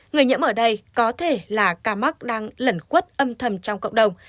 người nhiễm ở đây có thể là ca mắc đang lẩn khuất âm thầm trong cộng đồng